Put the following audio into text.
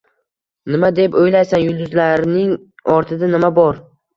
Nima deb o‘ylaysan, yulduzlarning ortida nima bor?